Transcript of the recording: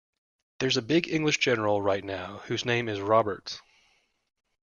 There's a big English general right now whose name is Roberts.